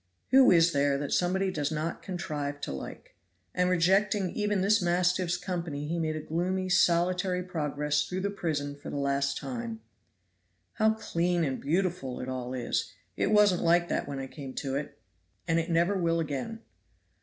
Who is there that somebody does not contrive to like? And rejecting even this mastiff's company he made a gloomy, solitary progress through the prison for the last time. "How clean and beautiful it all is; it wasn't like that when I came to it, and it never will again."